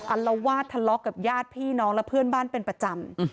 อลวาดทะเลาะกับญาติพี่น้องและเพื่อนบ้านเป็นประจำ